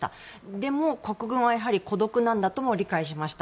でも、国軍はやはり孤独なんだとも理解しました。